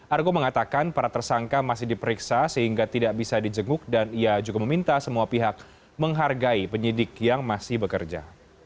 argo mengatakan para tersangka masih diperiksa sehingga tidak bisa dijenguk dan ia juga meminta semua pihak menghargai penyidik yang masih bekerja